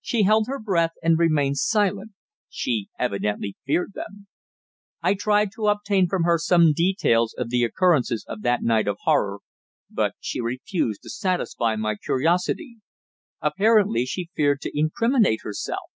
She held her breath, and remained silent. She evidently feared them. I tried to obtain from her some details of the occurrences of that night of horror, but she refused to satisfy my curiosity. Apparently she feared to incriminate herself.